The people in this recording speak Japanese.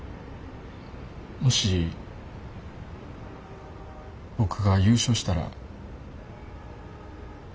もし僕が優勝したら。